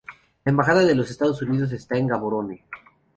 La Embajada de los Estados Unidos está en Gaborone.